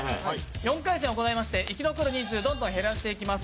４回戦行いまして、生き残る人数をどんどん減らしていきます。